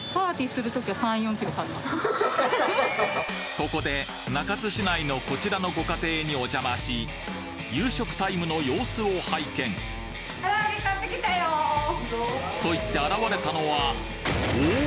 ここで中津市内のこちらのご家庭にお邪魔し夕食タイムの様子を拝見と言って現れたのはおお！